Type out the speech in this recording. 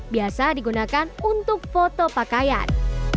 biasa digunakan untuk foto pakaian